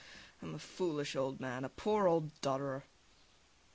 I'm a foolish old man, a poor old dodderer!